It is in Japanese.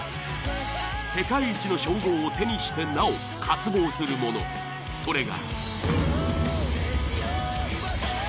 世界一の称号を手にしてなお渇望するものそれが。